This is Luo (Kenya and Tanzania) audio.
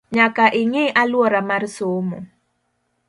Nyaka ing’i aluora mar somo